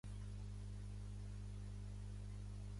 Es posa nerviós quan queda atrapat en un embús de tràfic.